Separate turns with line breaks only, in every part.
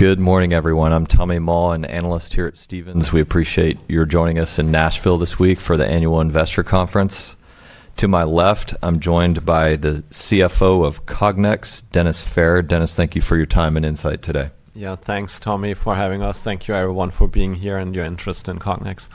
Good morning, everyone. I'm Tommy Moll, an analyst here at Stephens. We appreciate you joining us in Nashville this week for the Annual Investor Conference. To my left, I'm joined by the CFO of Cognex, Dennis Fehr. Dennis, thank you for your time and insight today.
Yeah, thanks, Tommy, for having us. Thank you, everyone, for being here and your interest in Cognex.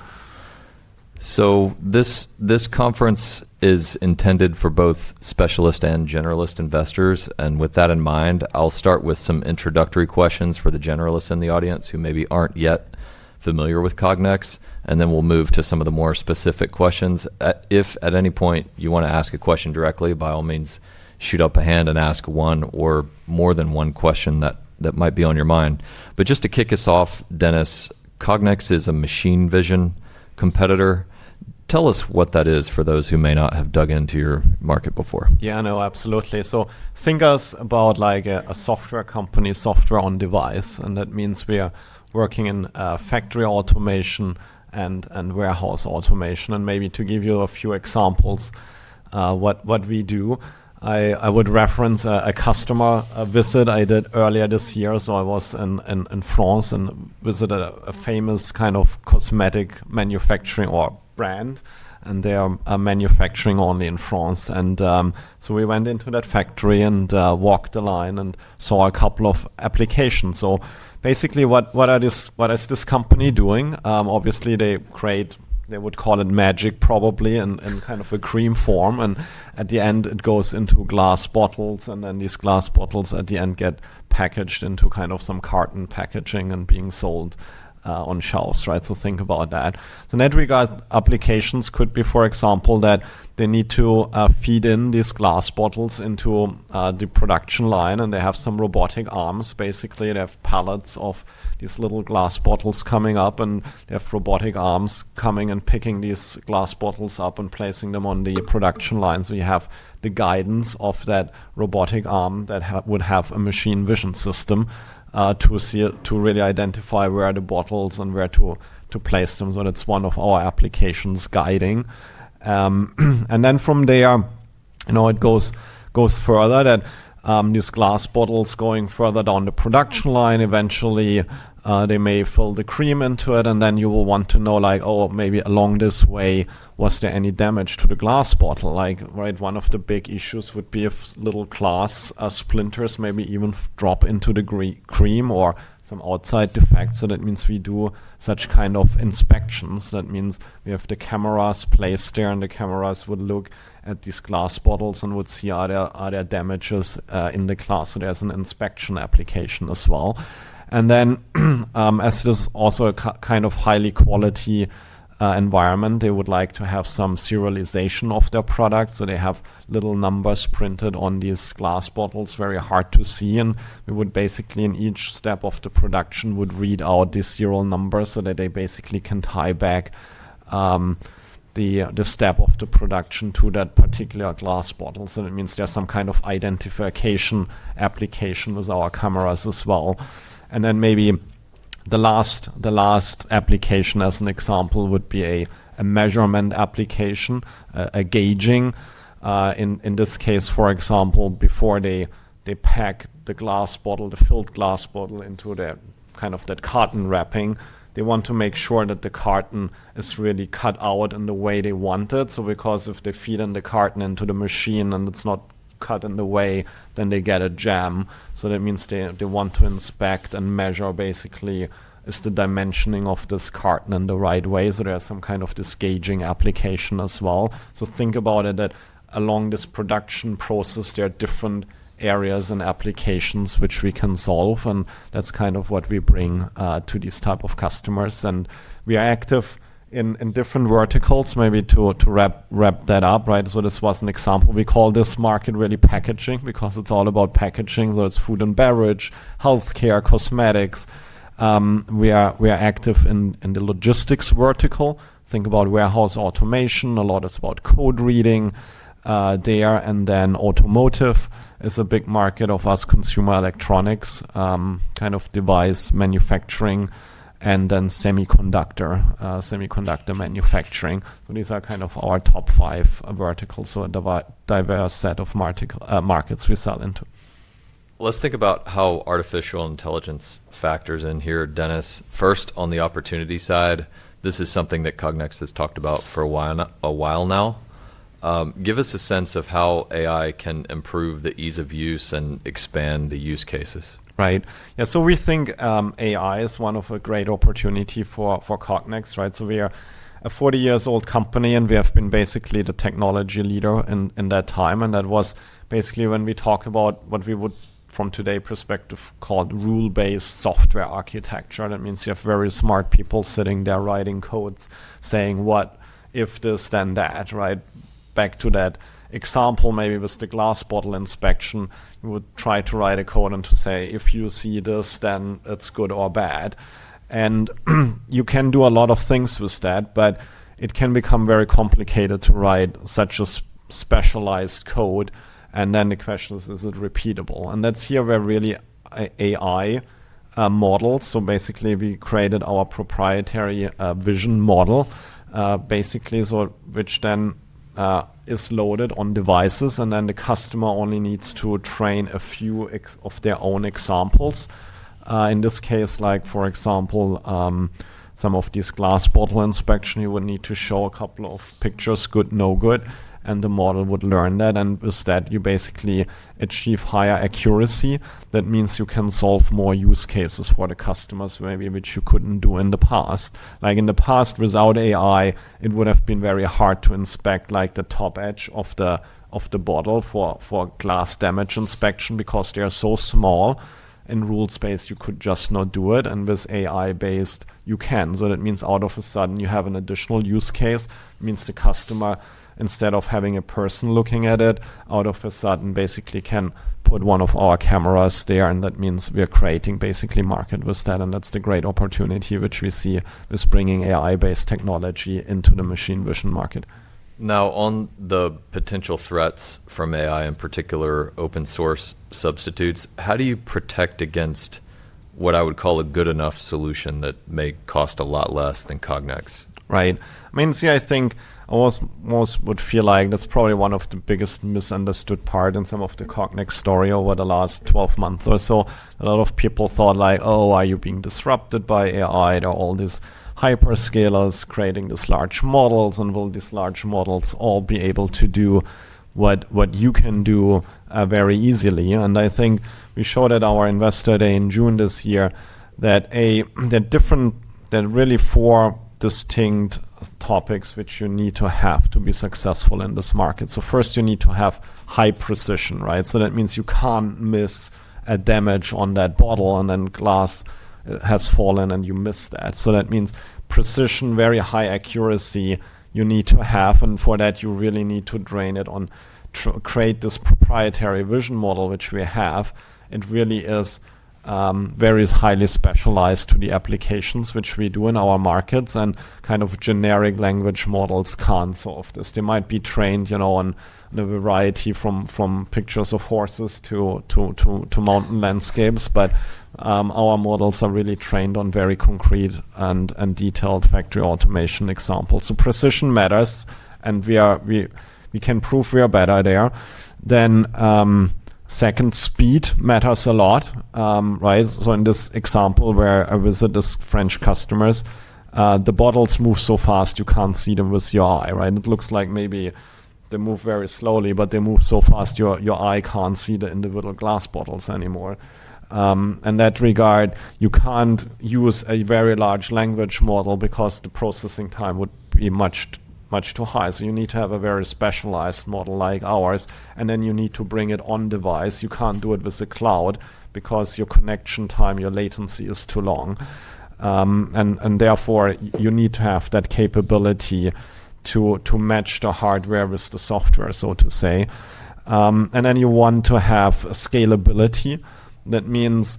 This conference is intended for both specialist and generalist investors. With that in mind, I'll start with some introductory questions for the generalists in the audience who maybe aren't yet familiar with Cognex. Then we'll move to some of the more specific questions. If at any point you want to ask a question directly, by all means, shoot up a hand and ask one or more than one question that might be on your mind. Just to kick us off, Dennis, Cognex is a machine vision competitor. Tell us what that is for those who may not have dug into your market before.
Yeah, no, absolutely. Think of us as a software company, software on device. That means we are working in factory automation and warehouse automation. Maybe to give you a few examples of what we do, I would reference a customer visit I did earlier this year. I was in France and visited a famous kind of cosmetic manufacturing brand. They are manufacturing only in France. We went into that factory and walked the line and saw a couple of applications. Basically, what is this company doing? Obviously, they create, they would call it magic, probably, in kind of a cream form. At the end, it goes into glass bottles. These glass bottles at the end get packaged into kind of some carton packaging and being sold on shelves, right? Think about that. In that regard, applications could be, for example, that they need to feed in these glass bottles into the production line. They have some robotic arms, basically. They have pallets of these little glass bottles coming up. They have robotic arms coming and picking these glass bottles up and placing them on the production line. You have the guidance of that robotic arm that would have a machine vision system to really identify where the bottles are and where to place them. That's one of our applications, guiding. From there, it goes further that these glass bottles, going further down the production line, eventually, they may fill the cream into it. You will want to know, like, oh, maybe along this way, was there any damage to the glass bottle? One of the big issues would be if little glass splinters maybe even drop into the cream or some outside defects. That means we do such kind of inspections. That means we have the cameras placed there. The cameras would look at these glass bottles and would see are there damages in the glass. There is an inspection application as well. As this is also a kind of highly quality environment, they would like to have some serialization of their products. They have little numbers printed on these glass bottles, very hard to see. We would basically, in each step of the production, read out these serial numbers so that they basically can tie back the step of the production to that particular glass bottle. That means there is some kind of identification application with our cameras as well. Maybe the last application, as an example, would be a measurement application, a gauging. In this case, for example, before they pack the glass bottle, the filled glass bottle into kind of that carton wrapping, they want to make sure that the carton is really cut out in the way they want it. Because if they feed in the carton into the machine and it's not cut in the way, then they get a jam. That means they want to inspect and measure, basically, is the dimensioning of this carton in the right way. There is some kind of this gauging application as well. Think about it that along this production process, there are different areas and applications which we can solve. That is kind of what we bring to these types of customers. We are active in different verticals, maybe to wrap that up, right? This was an example. We call this market really packaging because it is all about packaging. It is food and beverage, health care, cosmetics. We are active in the logistics vertical. Think about warehouse automation. A lot is about code reading there. Automotive is a big market of us, consumer electronics, kind of device manufacturing, and then semiconductor manufacturing. These are kind of our top five verticals, so a diverse set of markets we sell into.
Let's think about how artificial intelligence factors in here, Dennis. First, on the opportunity side, this is something that Cognex has talked about for a while now. Give us a sense of how AI can improve the ease of use and expand the use cases.
Right. Yeah, so we think AI is one of a great opportunity for Cognex, right? So we are a 40-year-old company. And we have been basically the technology leader in that time. That was basically when we talked about what we would, from today's perspective, call rule-based software architecture. That means you have very smart people sitting there writing codes, saying, what if this, then that, right? Back to that example, maybe with the glass bottle inspection, we would try to write a code and to say, if you see this, then it's good or bad. You can do a lot of things with that. It can become very complicated to write such a specialized code. The question is, is it repeatable? That is here where really AI models. Basically, we created our proprietary vision model, basically, which then is loaded on devices. The customer only needs to train a few of their own examples. In this case, like, for example, some of these glass bottle inspections, you would need to show a couple of pictures, good, no good. The model would learn that. With that, you basically achieve higher accuracy. That means you can solve more use cases for the customers, maybe, which you could not do in the past. Like in the past, without AI, it would have been very hard to inspect like the top edge of the bottle for glass damage inspection because they are so small. In rule space, you could just not do it. With AI-based, you can. That means out of a sudden, you have an additional use case. It means the customer, instead of having a person looking at it, all of a sudden, basically can put one of our cameras there. That means we are creating basically market with that. That is the great opportunity which we see as bringing AI-based technology into the machine vision market.
Now, on the potential threats from AI, in particular, open source substitutes, how do you protect against what I would call a good enough solution that may cost a lot less than Cognex?
Right. I mean, see, I think most would feel like that's probably one of the biggest misunderstood parts in some of the Cognex story over the last 12 months or so. A lot of people thought like, oh, are you being disrupted by AI? There are all these hyperscalers creating these large models. Will these large models all be able to do what you can do very easily? I think we showed at our investor day in June this year that really four distinct topics which you need to have to be successful in this market. First, you need to have high precision, right? That means you can't miss a damage on that bottle. Glass has fallen and you miss that. That means precision, very high accuracy you need to have. For that, you really need to drain it on creating this proprietary vision model, which we have. It really is very highly specialized to the applications which we do in our markets. Kind of generic language models can't solve this. They might be trained on a variety from pictures of horses to mountain landscapes. Our models are really trained on very concrete and detailed factory automation examples. Precision matters. We can prove we are better there. Second, speed matters a lot, right? In this example where I visit these French customers, the bottles move so fast you can't see them with your eye, right? It looks like maybe they move very slowly. They move so fast your eye can't see the individual glass bottles anymore. In that regard, you can't use a very large language model because the processing time would be much too high. You need to have a very specialized model like ours. You need to bring it on device. You can't do it with the cloud because your connection time, your latency is too long. Therefore, you need to have that capability to match the hardware with the software, so to say. You want to have scalability. That means,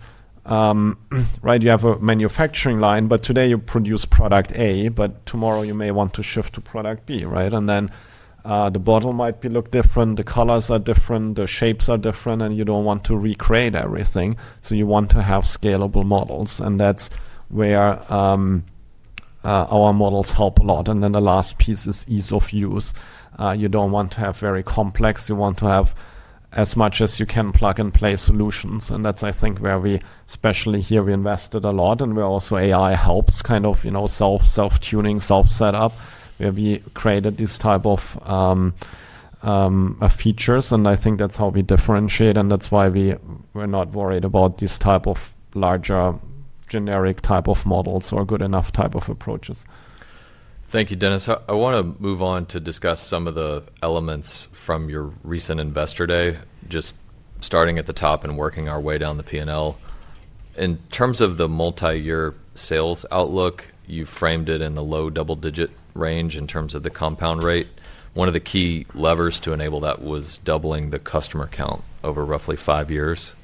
right, you have a manufacturing line. Today, you produce product A. Tomorrow, you may want to shift to product B, right? The bottle might look different. The colors are different. The shapes are different. You don't want to recreate everything. You want to have scalable models. That's where our models help a lot. The last piece is ease of use. You do not want to have very complex. You want to have as much as you can plug and play solutions. That is, I think, where we especially here we invested a lot. We are also AI helps kind of self-tuning, self-setup, where we created these types of features. I think that is how we differentiate. That is why we are not worried about these types of larger generic types of models or good enough types of approaches.
Thank you, Dennis. I want to move on to discuss some of the elements from your recent investor day, just starting at the top and working our way down the P&L. In terms of the multi-year sales outlook, you framed it in the low double-digit range in terms of the compound rate. One of the key levers to enable that was doubling the customer count over roughly five years.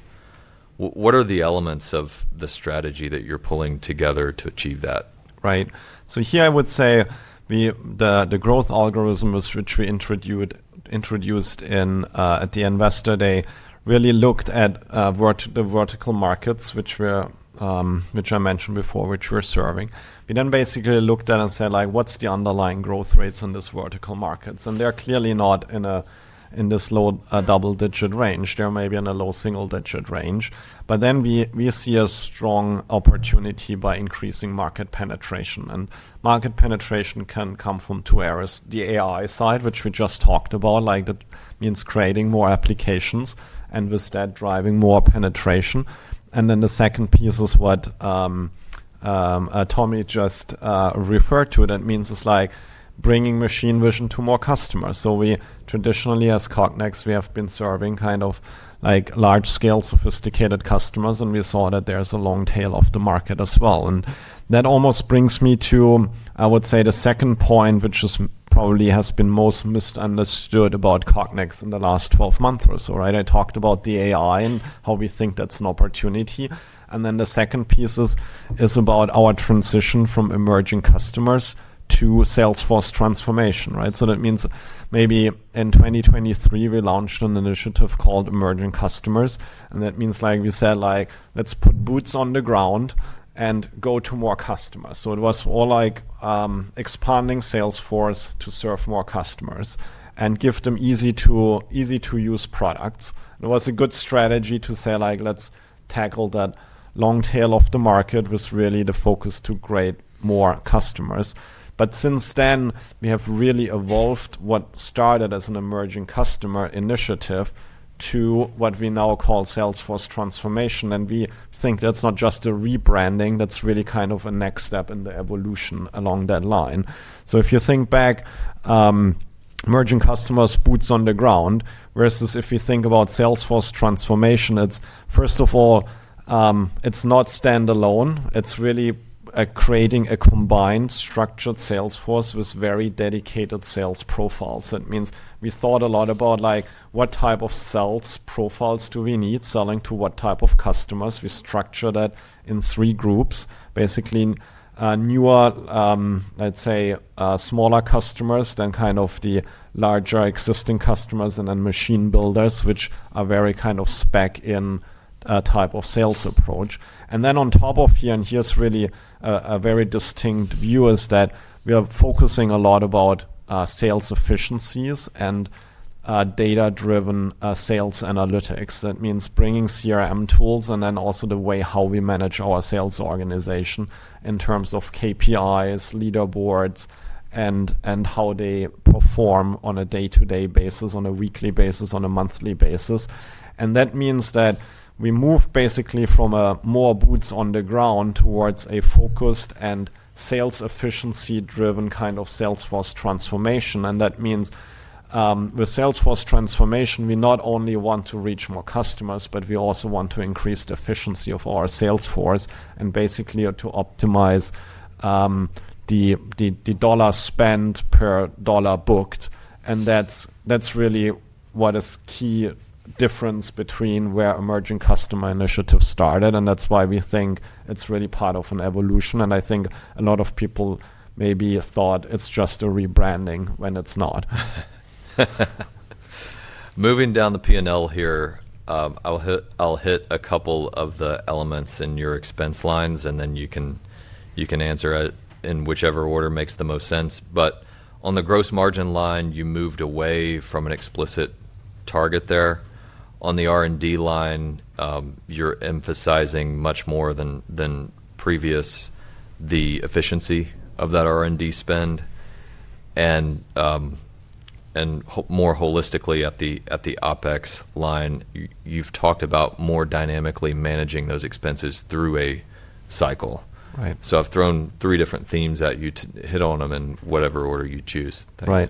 What are the elements of the strategy that you're pulling together to achieve that?
Right. Here, I would say the growth algorithm was which we introduced at the investor day. Really looked at the vertical markets, which I mentioned before, which we're serving. We then basically looked at and said, like, what's the underlying growth rates in these vertical markets? They're clearly not in this low double-digit range. They're maybe in a low single-digit range. We see a strong opportunity by increasing market penetration. Market penetration can come from two areas: the AI side, which we just talked about, like that means creating more applications and with that driving more penetration. The second piece is what Tommy just referred to. That means it's like bringing machine vision to more customers. We traditionally, as Cognex, have been serving kind of large-scale sophisticated customers. We saw that there's a long tail of the market as well. That almost brings me to, I would say, the second point, which probably has been most misunderstood about Cognex in the last 12 months or so, right? I talked about the AI and how we think that's an opportunity. The second piece is about our transition from emerging customers to Salesforce transformation, right? That means maybe in 2023, we launched an initiative called Emerging Customers. That means, like we said, like, let's put boots on the ground and go to more customers. It was more like expanding Salesforce to serve more customers and give them easy-to-use products. It was a good strategy to say, like, let's tackle that long tail of the market with really the focus to create more customers. Since then, we have really evolved what started as an emerging customer initiative to what we now call Salesforce transformation. We think that's not just a rebranding. That's really kind of a next step in the evolution along that line. If you think back, emerging customers, boots on the ground, versus if you think about Salesforce transformation, first of all, it's not standalone. It's really creating a combined structured Salesforce with very dedicated sales profiles. That means we thought a lot about, like, what type of sales profiles do we need selling to what type of customers? We structure that in three groups, basically newer, let's say, smaller customers, then kind of the larger existing customers, and then machine builders, which are very kind of spec-in type of sales approach. On top of here, and here's really a very distinct view, we are focusing a lot about sales efficiencies and data-driven sales analytics. That means bringing CRM tools and then also the way how we manage our sales organization in terms of KPIs, leaderboards, and how they perform on a day-to-day basis, on a weekly basis, on a monthly basis. That means that we move basically from more boots on the ground towards a focused and sales efficiency-driven kind of Salesforce transformation. That means with Salesforce transformation, we not only want to reach more customers, but we also want to increase the efficiency of our Salesforce and basically to optimize the dollar spent per dollar booked. That is really what is key difference between where emerging customer initiatives started. That is why we think it's really part of an evolution. I think a lot of people maybe thought it's just a rebranding when it's not.
Moving down the P&L here, I'll hit a couple of the elements in your expense lines. Then you can answer it in whichever order makes the most sense. On the gross margin line, you moved away from an explicit target there. On the R&D line, you're emphasizing much more than previous the efficiency of that R&D spend. More holistically, at the OpEx line, you've talked about more dynamically managing those expenses through a cycle. I've thrown three different themes at you to hit on them in whatever order you choose.
Right.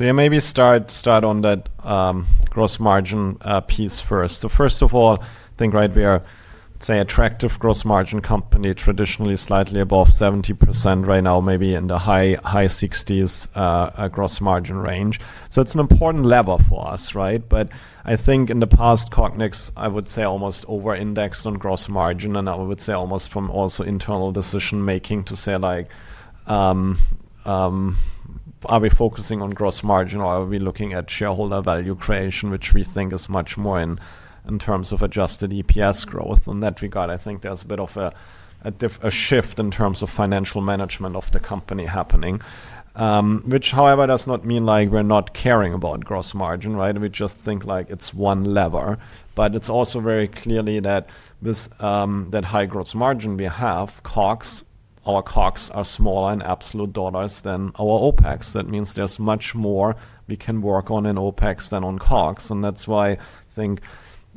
Yeah, maybe start on that gross margin piece first. First of all, I think, right, we are, say, attractive gross margin company, traditionally slightly above 70% right now, maybe in the high 60% gross margin range. It's an important lever for us, right? I think in the past, Cognex, I would say, almost over-indexed on gross margin. I would say almost from also internal decision-making to say, like, are we focusing on gross margin? Or are we looking at shareholder value creation, which we think is much more in terms of adjusted EPS growth? In that regard, I think there's a bit of a shift in terms of financial management of the company happening, which, however, does not mean like we're not caring about gross margin, right? We just think like it's one lever. It is also very clear that with that high gross margin we have, our COGS are smaller in absolute dollars than our OpEx. That means there is much more we can work on in OpEx than on COGS. That is why I think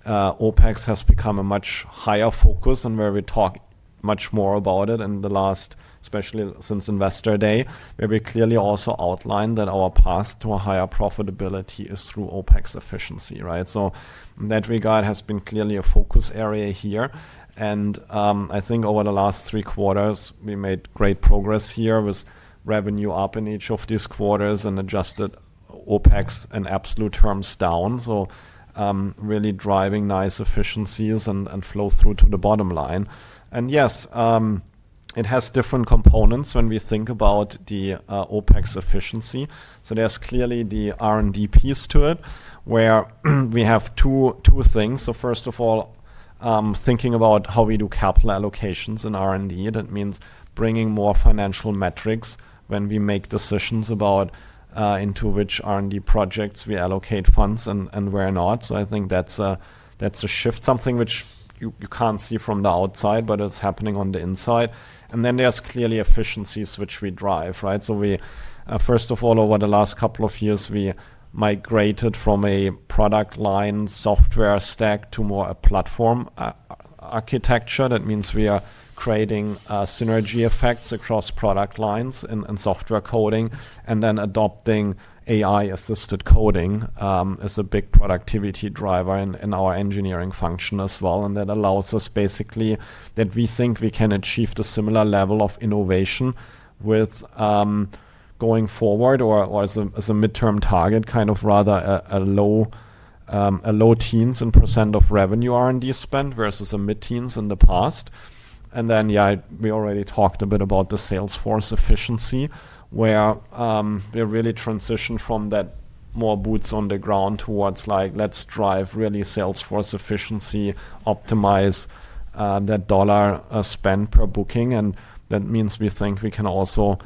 OpEx has become a much higher focus and why we talk much more about it in the last, especially since investor day, where we clearly also outlined that our path to a higher profitability is through OpEx efficiency, right? In that regard, it has been clearly a focus area here. I think over the last three quarters, we made great progress here with revenue up in each of these quarters and adjusted OpEx in absolute terms down. Really driving nice efficiencies and flow through to the bottom line. Yes, it has different components when we think about the OpEx efficiency. There's clearly the R&D piece to it, where we have two things. First of all, thinking about how we do capital allocations in R&D, that means bringing more financial metrics when we make decisions about into which R&D projects we allocate funds and where not. I think that's a shift, something which you can't see from the outside, but it's happening on the inside. There's clearly efficiencies which we drive, right? First of all, over the last couple of years, we migrated from a product line software stack to more a platform architecture. That means we are creating synergy effects across product lines and software coding. Then adopting AI-assisted coding is a big productivity driver in our engineering function as well. That allows us basically that we think we can achieve the similar level of innovation going forward or as a midterm target, kind of rather a low teens in % of revenue R&D spend versus a mid-teens in the past. Yeah, we already talked a bit about the Salesforce efficiency, where we really transitioned from that more boots on the ground towards, like, let's drive really Salesforce efficiency, optimize that dollar spend per booking. That means we think we can also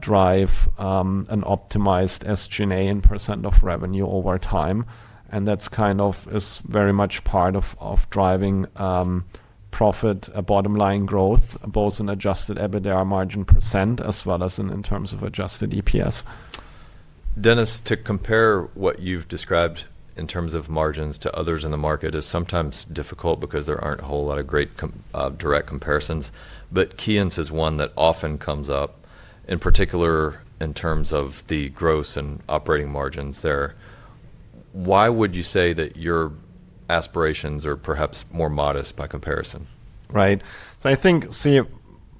drive an optimized SG&A in % of revenue over time. That kind of is very much part of driving profit, bottom line growth, both in adjusted EBITDA margin % as well as in terms of adjusted EPS.
Dennis, to compare what you've described in terms of margins to others in the market is sometimes difficult because there aren't a whole lot of great direct comparisons. KEYENCE is one that often comes up, in particular in terms of the gross and operating margins there. Why would you say that your aspirations are perhaps more modest by comparison?
Right. I think there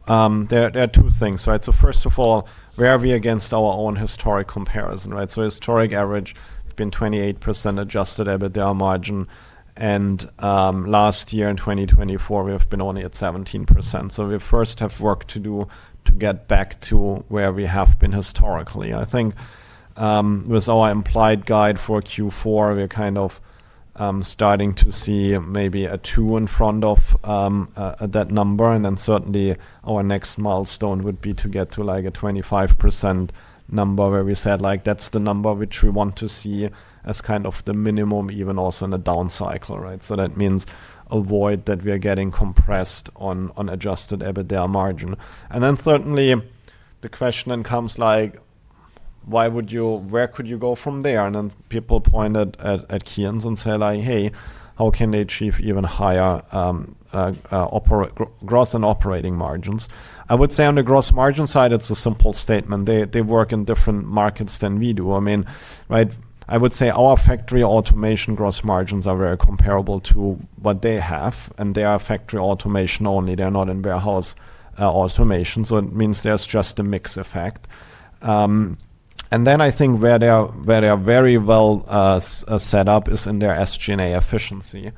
are two things, right? First of all, where are we against our own historic comparison, right? Historic average has been 28% adjusted EBITDA margin. Last year in 2024, we have been only at 17%. We first have worked to get back to where we have been historically. I think with our implied guide for Q4, we're kind of starting to see maybe a 2 in front of that number. Certainly, our next milestone would be to get to, like, a 25% number where we said, like, that's the number which we want to see as kind of the minimum even also in a down cycle, right? That means avoid that we are getting compressed on adjusted EBITDA margin. Certainly, the question then comes, like, where could you go from there? People pointed at KEYENCE and said, like, hey, how can they achieve even higher gross and operating margins? I would say on the gross margin side, it's a simple statement. They work in different markets than we do. I mean, right, I would say our factory automation gross margins are very comparable to what they have. And they are factory automation only. They're not in warehouse automation. It means there's just a mixed effect. I think where they are very well set up is in their SG&A efficiency,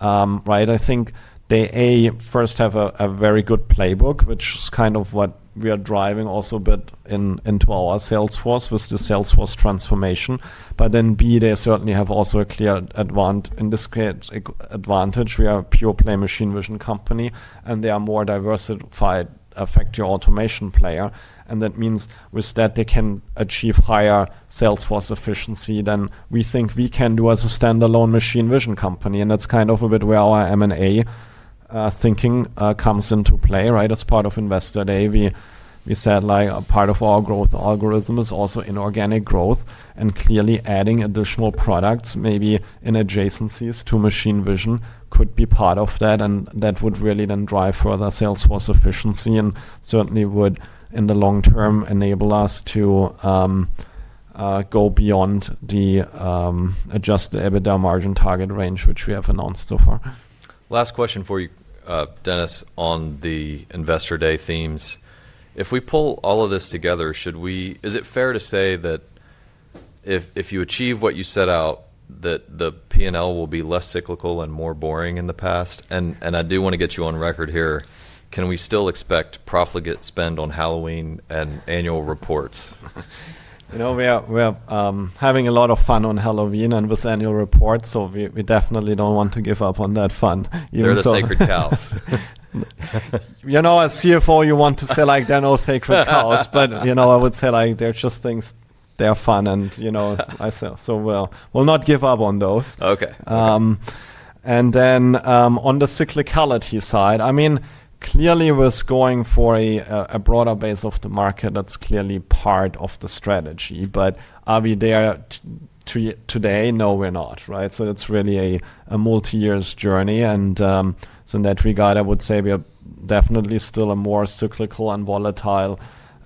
right? I think they, A, first have a very good playbook, which is kind of what we are driving also a bit into our Salesforce with the Salesforce transformation. Then, B, they certainly have also a clear advantage. We are a pure-play machine vision company. They are a more diversified factory automation player. That means with that, they can achieve higher Salesforce efficiency than we think we can do as a standalone machine vision company. That is kind of a bit where our M&A thinking comes into play, right? As part of investor day, we said, like, part of our growth algorithm is also inorganic growth. Clearly, adding additional products, maybe in adjacencies to machine vision, could be part of that. That would really then drive further Salesforce efficiency and certainly would, in the long term, enable us to go beyond the adjusted EBITDA margin target range, which we have announced so far.
Last question for you, Dennis, on the Investor Day Themes. If we pull all of this together, is it fair to say that if you achieve what you set out, that the P&L will be less cyclical and more boring than in the past? And I do want to get you on record here. Can we still expect profligate spend on Halloween and annual reports?
You know, we are having a lot of fun on Halloween and with annual reports. We definitely don't want to give up on that fun.
They're the sacred cows.
You know, as CFO, you want to say, like, there are no sacred cows. You know, I would say, like, there are just things. They are fun. You know, I said, so we will not give up on those.
OK.
On the cyclicality side, I mean, clearly, we're going for a broader base of the market. That's clearly part of the strategy. Are we there today? No, we're not, right? It's really a multi-year journey. In that regard, I would say we are definitely still a more cyclical and volatile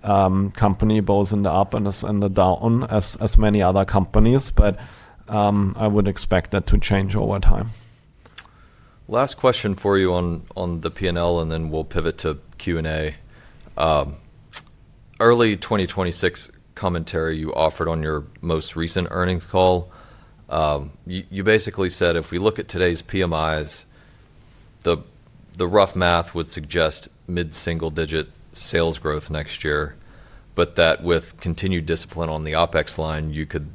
company, both in the up and the down, as many other companies. I would expect that to change over time.
Last question for you on the P&L, and then we'll pivot to Q&A. Early 2026 Commentary you offered on your most recent earnings call, you basically said, if we look at today's PMIs, the rough math would suggest mid-single-digit sales growth next year, but that with continued discipline on the OpEx line, you could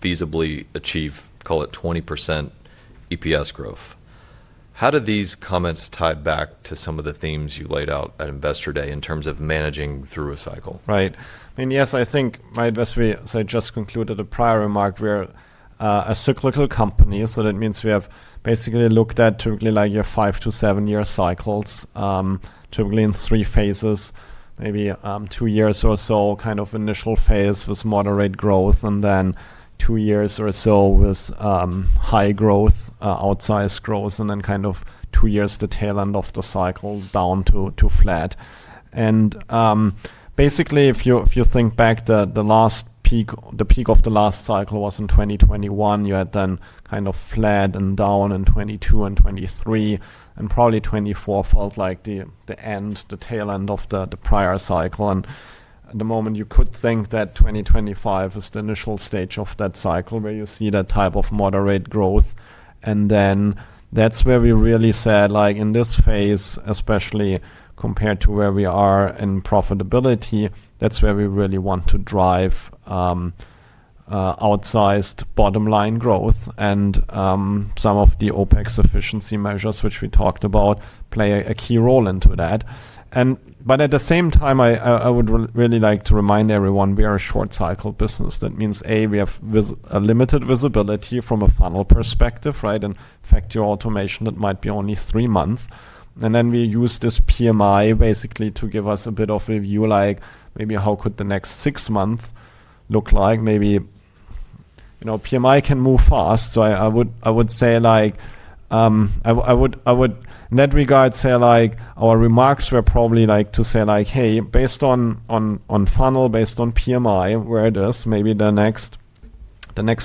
feasibly achieve, call it, 20% EPS growth. How do these comments tie back to some of the themes you laid out at investor day in terms of managing through a cycle?
Right. I mean, yes, I think my investor day, so I just concluded a prior remark where a cyclical company, so that means we have basically looked at typically like your five- to seven-year cycles, typically in three phases, maybe two years or so, kind of initial phase with moderate growth, and then two years or so with high growth, outsized growth, and then kind of two years to tail end of the cycle down to flat. Basically, if you think back, the last peak, the peak of the last cycle was in 2021. You had then kind of flat and down in 2022 and 2023. Probably 2024 felt like the end, the tail end of the prior cycle. At the moment, you could think that 2025 is the initial stage of that cycle where you see that type of moderate growth. That is where we really said, like, in this phase, especially compared to where we are in profitability, that is where we really want to drive outsized bottom line growth. Some of the OpEx efficiency measures, which we talked about, play a key role in that. At the same time, I would really like to remind everyone we are a short cycle business. That means, A, we have limited visibility from a funnel perspective, right? In factory automation, it might be only three months. We use this PMI basically to give us a bit of a view, like, maybe how could the next six months look like? Maybe, you know, PMI can move fast. I would say, like, I would in that regard say, like, our remarks were probably like to say, like, hey, based on funnel, based on PMI, where it is, maybe the next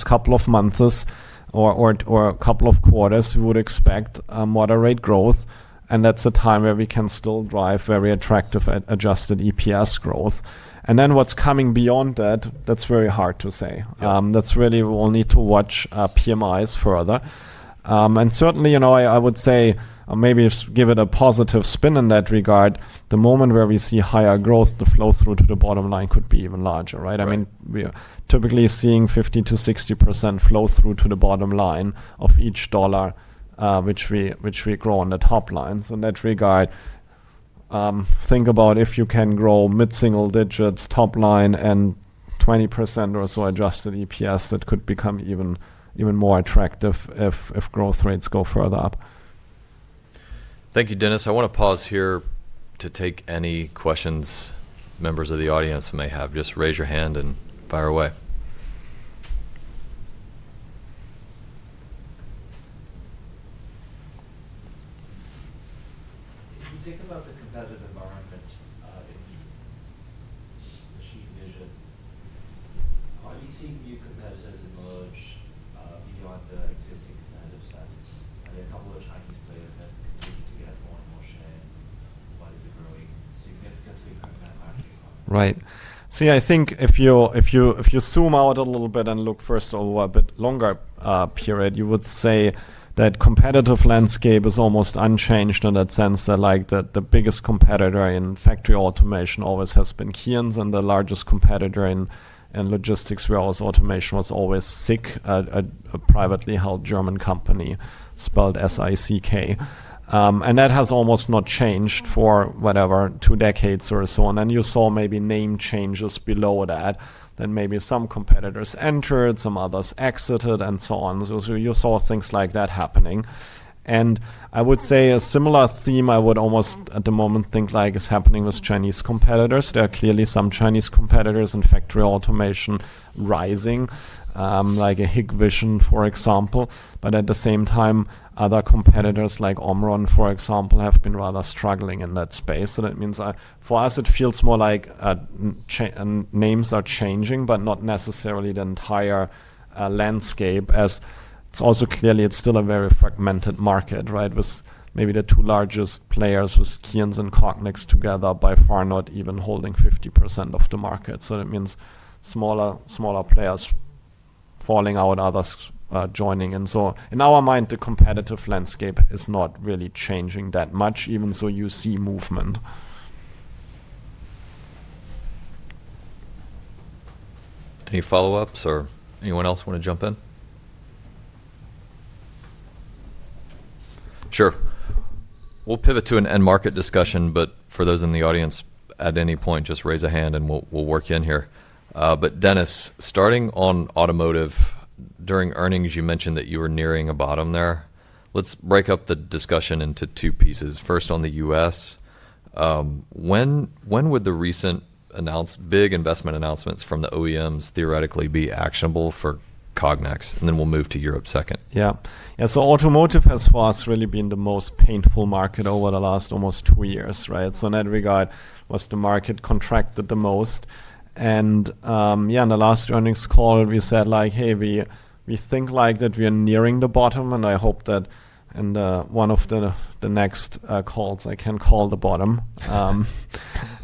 couple of months or a couple of quarters, we would expect moderate growth. That's a time where we can still drive very attractive adjusted EPS growth. What's coming beyond that, that's very hard to say. That's really we'll need to watch PMIs further. Certainly, you know, I would say maybe give it a positive spin in that regard. The moment where we see higher growth, the flow through to the bottom line could be even larger, right? I mean, we are typically seeing 50%-60% flow through to the bottom line of each dollar, which we grow on the top line. In that regard, think about if you can grow mid-single digits, top line, and 20% or so adjusted EPS, that could become even more attractive if growth rates go further up.
Thank you, Dennis. I want to pause here to take any questions members of the audience may have. Just raise your hand and fire away. If you think about the competitive environment in machine vision, are you seeing new competitors emerge beyond the existing competitive size? Are there a couple of Chinese players that continue to get more and more share? Why is it growing significantly compared to the market?
Right. See, I think if you zoom out a little bit and look first over a bit longer period, you would say that competitive landscape is almost unchanged in that sense that, like, the biggest competitor in factory automation always has been KEYENCE. The largest competitor in logistics where also automation was always SICK, a privately held German company, spelled S-I-C-K. That has almost not changed for, whatever, two decades or so. You saw maybe name changes below that. Maybe some competitors entered, some others exited, and so on. You saw things like that happening. I would say a similar theme I would almost at the moment think, like, is happening with Chinese competitors. There are clearly some Chinese competitors in factory automation rising, like a Hikvision, for example. At the same time, other competitors like OMRON, for example, have been rather struggling in that space. That means for us, it feels more like names are changing, but not necessarily the entire landscape, as it's also clearly, it's still a very fragmented market, right, with maybe the two largest players with KEYENCE and Cognex together by far not even holding 50% of the market. That means smaller players falling out, others joining. In our mind, the competitive landscape is not really changing that much, even though you see movement.
Any follow-ups or anyone else want to jump in? Sure. We'll pivot to an end market discussion. For those in the audience, at any point, just raise a hand and we'll work in here. Dennis, starting on automotive, during earnings, you mentioned that you were nearing a bottom there. Let's break up the discussion into two pieces. First, on the U.S., when would the recent announced big investment announcements from the OEMs theoretically be actionable for Cognex? Then we'll move to Europe second.
Yeah. Yeah. Automotive has for us really been the most painful market over the last almost two years, right? In that regard, was the market contracted the most? Yeah, in the last earnings call, we said, like, hey, we think, like, that we are nearing the bottom. I hope that in one of the next calls, I can call the bottom.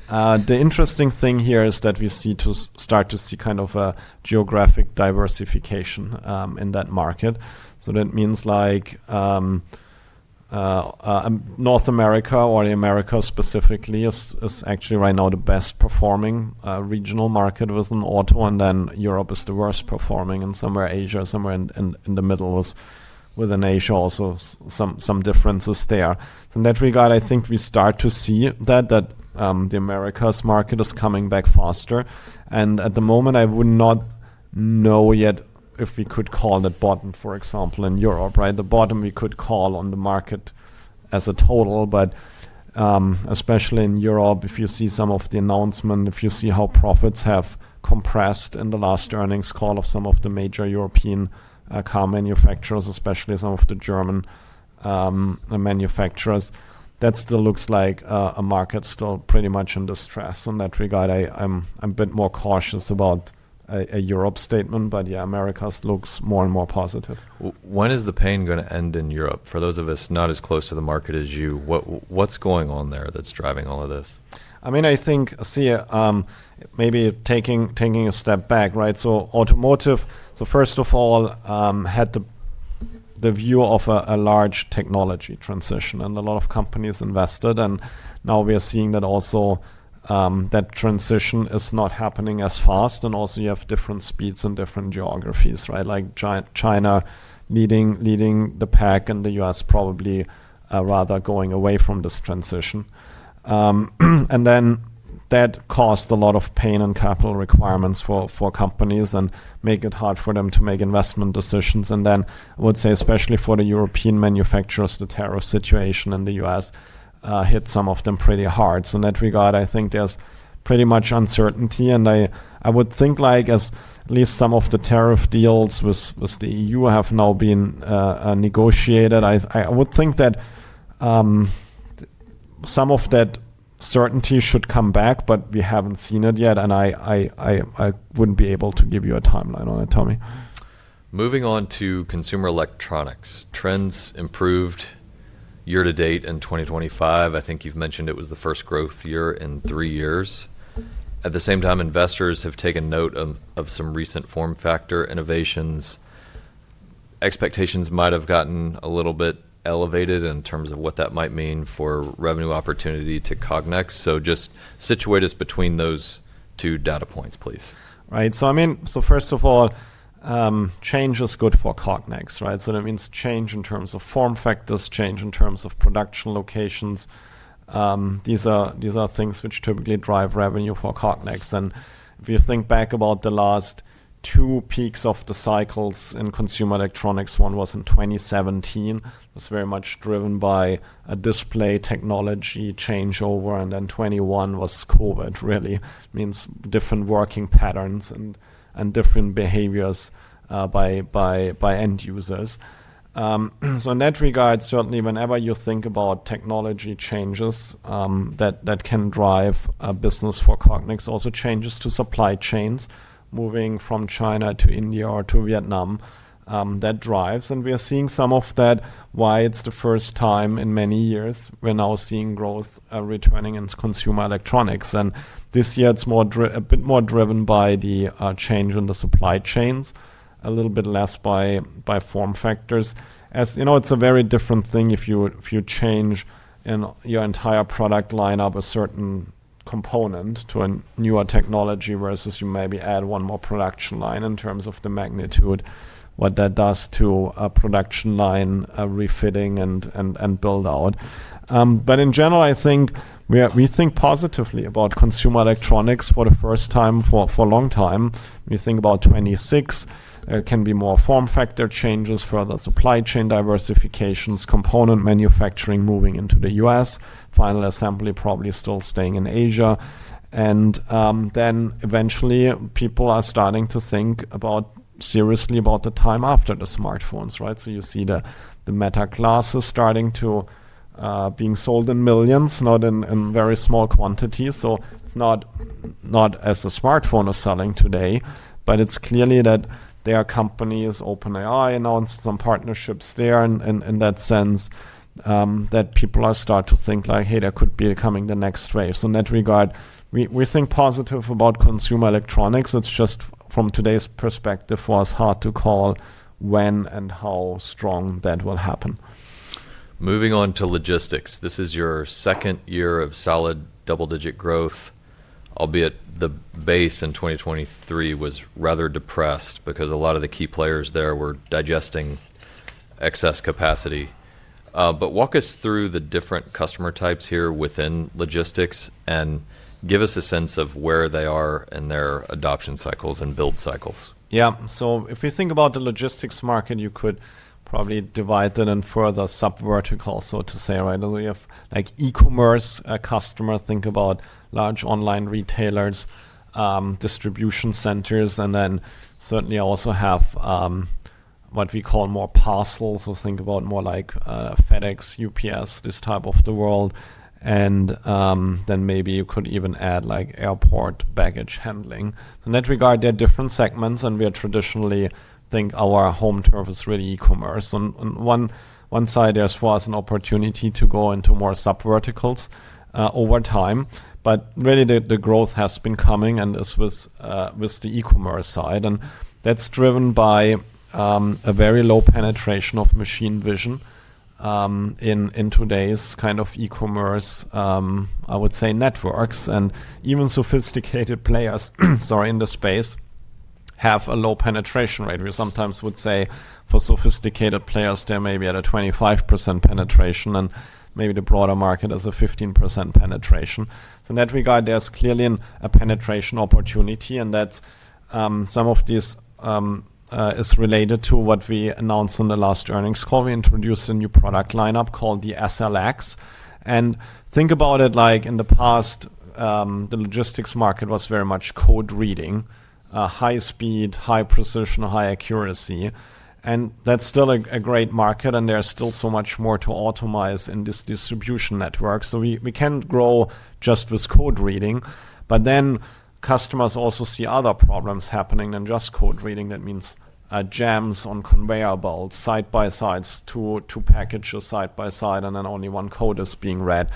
The interesting thing here is that we see to start to see kind of a geographic diversification in that market. That means, like, North America or America specifically is actually right now the best performing regional market within auto. Europe is the worst performing. Somewhere Asia, somewhere in the middle. Within Asia also some differences there. In that regard, I think we start to see that the America's market is coming back faster. At the moment, I would not know yet if we could call the bottom, for example, in Europe, right? The bottom we could call on the market as a total. Especially in Europe, if you see some of the announcement, if you see how profits have compressed in the last earnings call of some of the major European car manufacturers, especially some of the German manufacturers, that still looks like a market still pretty much in distress. In that regard, I'm a bit more cautious about a Europe statement. Yeah, America's looks more and more positive.
When is the pain going to end in Europe? For those of us not as close to the market as you, what's going on there that's driving all of this?
I mean, I think, see, maybe taking a step back, right? Automotive, first of all, had the view of a large technology transition. A lot of companies invested. Now we are seeing that also that transition is not happening as fast. You have different speeds in different geographies, right? Like China leading the pack and the U.S. probably rather going away from this transition. That caused a lot of pain and capital requirements for companies and made it hard for them to make investment decisions. I would say, especially for the European manufacturers, the tariff situation in the US hit some of them pretty hard. In that regard, I think there is pretty much uncertainty. I would think, like, as at least some of the tariff deals with the EU have now been negotiated, I would think that some of that certainty should come back. We haven't seen it yet. I wouldn't be able to give you a timeline on it, Tommy.
Moving on to consumer electronics, trends improved year to date in 2025. I think you've mentioned it was the first growth year in three years. At the same time, investors have taken note of some recent form factor innovations. Expectations might have gotten a little bit elevated in terms of what that might mean for revenue opportunity to Cognex. Just situate us between those two data points, please.
Right. I mean, first of all, change is good for Cognex, right? That means change in terms of form factors, change in terms of production locations. These are things which typically drive revenue for Cognex. If you think back about the last two peaks of the cycles in consumer electronics, one was in 2017, was very much driven by a display technology changeover. Then 2021 was COVID, really. It means different working patterns and different behaviors by end users. In that regard, certainly whenever you think about technology changes that can drive business for Cognex, also changes to supply chains moving from China to India or to Vietnam, that drives. We are seeing some of that, which is why it is the first time in many years we are now seeing growth returning in consumer electronics. This year, it's a bit more driven by the change in the supply chains, a little bit less by form factors. As you know, it's a very different thing if you change in your entire product lineup a certain component to a newer technology versus you maybe add one more production line in terms of the magnitude, what that does to a production line refitting and build-out. In general, I think we think positively about consumer electronics for the first time for a long time. We think about 2026, there can be more form factor changes, further supply chain diversifications, component manufacturing moving into the U.S., final assembly probably still staying in Asia. Eventually, people are starting to think seriously about the time after the smartphones, right? You see the Meta glasses starting to being sold in millions, not in very small quantities. It is not as a smartphone is selling today. It is clearly that there are companies, OpenAI announced some partnerships there. In that sense, people are starting to think, like, hey, there could be coming the next wave. In that regard, we think positive about consumer electronics. It is just from today's perspective, for us, hard to call when and how strong that will happen.
Moving on to logistics. This is your second year of solid double-digit growth, albeit the base in 2023 was rather depressed because a lot of the key players there were digesting excess capacity. Walk us through the different customer types here within logistics and give us a sense of where they are in their adoption cycles and build cycles.
Yeah. If you think about the logistics market, you could probably divide that in further subverticals, so to say, right? We have e-commerce customers, think about large online retailers, distribution centers. We certainly also have what we call more parcels. Think about more like FedEx, UPS, this type of the world. Maybe you could even add airport baggage handling. In that regard, there are different segments. We traditionally think our home turf is really e-commerce. On one side, there's for us an opportunity to go into more subverticals over time. Really, the growth has been coming and is with the e-commerce side. That's driven by a very low penetration of machine vision in today's kind of e-commerce, I would say, networks. Even sophisticated players, sorry, in the space have a low penetration rate. We sometimes would say for sophisticated players, they're maybe at a 25% penetration. Maybe the broader market has a 15% penetration. In that regard, there's clearly a penetration opportunity. Some of this is related to what we announced in the last earnings call. We introduced a new product lineup called the SLX. Think about it, like, in the past, the logistics market was very much code reading, high speed, high precision, high accuracy. That's still a great market. There's still so much more to optimize in this distribution network. We can grow just with code reading. Customers also see other problems happening than just code reading. That means jams on conveyor belts, side by sides, two packages side by side, and then only one code is being read,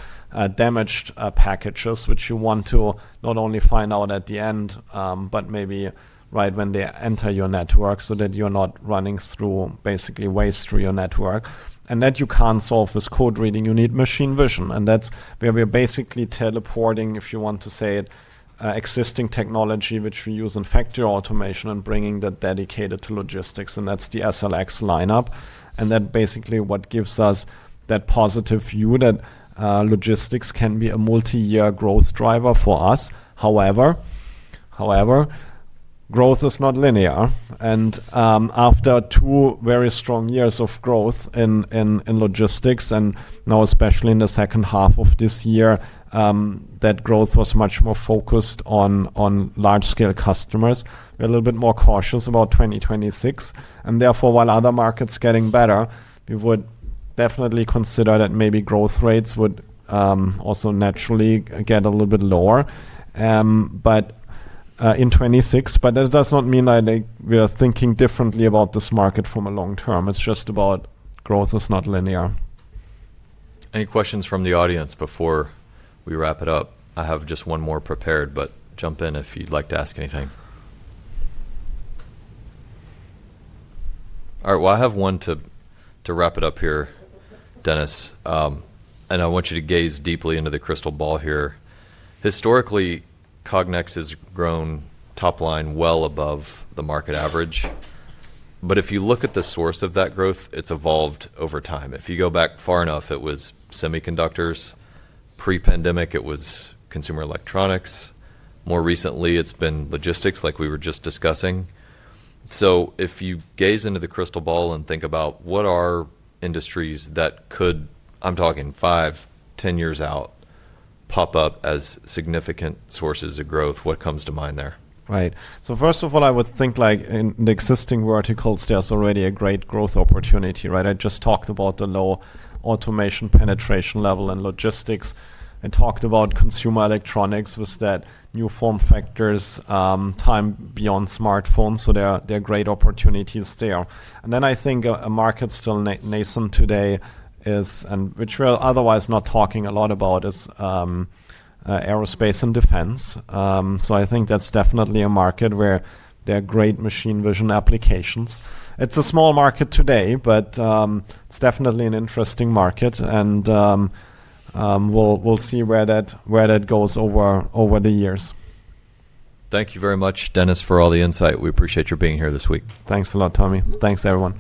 damaged packages, which you want to not only find out at the end, but maybe right when they enter your network so that you're not running through basically waste through your network. That you can't solve with code reading. You need machine vision. That's where we're basically teleporting, if you want to say it, existing technology, which we use in factory automation and bringing that dedicated to logistics. That's the SLX lineup. That basically is what gives us that positive view that logistics can be a multi-year growth driver for us. However, growth is not linear. After two very strong years of growth in logistics, now especially in the second half of this year, that growth was much more focused on large-scale customers. We're a little bit more cautious about 2026. Therefore, while other markets are getting better, we would definitely consider that maybe growth rates would also naturally get a little bit lower in 2026. That does not mean that we are thinking differently about this market from a long term. It's just about growth is not linear.
Any questions from the audience before we wrap it up? I have just one more prepared. Jump in if you'd like to ask anything. All right. I have one to wrap it up here, Dennis. I want you to gaze deeply into the crystal ball here. Historically, Cognex has grown top line well above the market average. If you look at the source of that growth, it's evolved over time. If you go back far enough, it was semiconductors. Pre-pandemic, it was consumer electronics. More recently, it's been logistics, like we were just discussing. If you gaze into the crystal ball and think about what are industries that could, I'm talking five, 10 years out, pop up as significant sources of growth, what comes to mind there?
Right. First of all, I would think, like, in the existing verticals, there's already a great growth opportunity, right? I just talked about the low automation penetration level in logistics and talked about consumer electronics with that new form factors time beyond smartphones. There are great opportunities there. I think a market still nascent today is, and which we're otherwise not talking a lot about, is aerospace and defense. I think that's definitely a market where there are great machine vision applications. It's a small market today, but it's definitely an interesting market. We'll see where that goes over the years.
Thank you very much, Dennis, for all the insight. We appreciate your being here this week.
Thanks a lot, Tommy. Thanks, everyone.